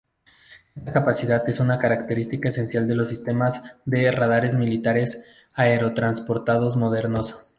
Esta capacidad es una característica esencial en los sistemas de radares militares aerotransportados modernos.